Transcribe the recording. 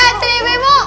eh tini bebo